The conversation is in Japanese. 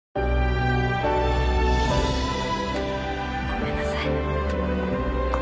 ごめんなさい。